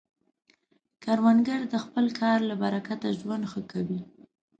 کروندګر د خپل کار له برکته ژوند ښه کوي